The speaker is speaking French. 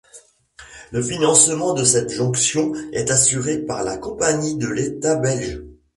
Le financement de cette jonction est assuré par la Compagnie de l'État Belge.